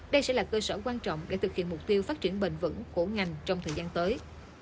đây sẽ là cơ sở quan trọng để thực hiện mục tiêu phát triển bền vững của ngành trong thời gian tới